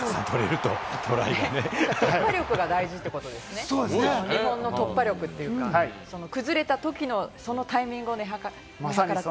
突破力が大事ということですね、日本の突破力というか、崩れたときのそのタイミングを見計らって。